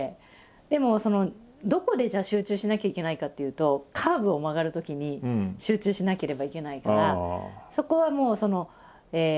でもそのどこでじゃあ集中しなきゃいけないかっていうとカーブを曲がるときに集中しなければいけないから。